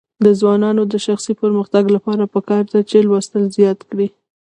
د ځوانانو د شخصي پرمختګ لپاره پکار ده چې لوستل زیات کړي.